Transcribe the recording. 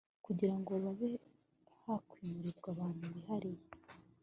kugirango babe bakwimurirwa ahantu hihariye